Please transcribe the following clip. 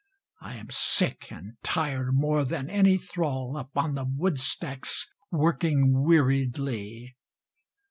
I am sick, and tired more than any thrall Upon the woodstacks working weariedly.